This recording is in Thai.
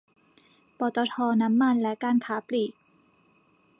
ปตท น้ำมันและการค้าปลีก